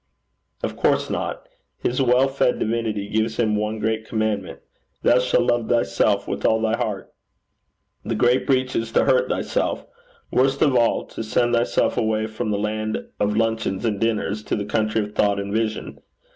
'Of course not. His well fed divinity gives him one great commandment: "Thou shalt love thyself with all thy heart. The great breach is to hurt thyself worst of all to send thyself away from the land of luncheons and dinners, to the country of thought and vision."